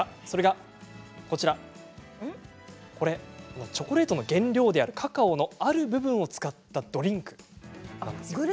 それがこちらチョコレートの原料であるカカオのある部分を使ったドリンクです。